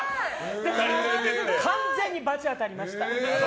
完全に罰が当たりました。